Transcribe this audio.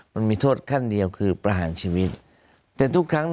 มันมีโทษขั้นเดียวคือประหารชีวิตแต่ทุกครั้ง